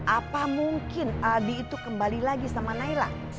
apa mungkin ardi itu kembali lagi sama nailah